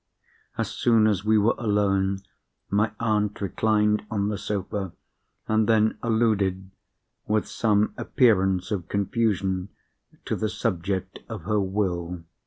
As soon as we were alone, my aunt reclined on the sofa, and then alluded, with some appearance of confusion, to the subject of her Will.